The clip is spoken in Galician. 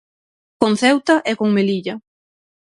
Con Ceuta e con Melilla.